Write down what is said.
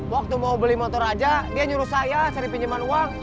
waktu mau beli motor aja dia nyuruh saya cari pinjaman uang